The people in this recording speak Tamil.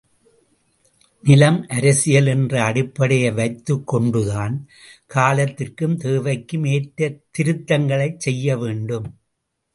நிலம், அரசியல் என்ற அடிப்படையை வைத்துக் கொண்டுதான் காலத்திற்கும், தேவைக்கும் ஏற்ற திருத்தங்களைச் செய்யவேண்டும்.